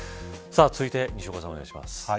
続いて西岡さん、お願いします。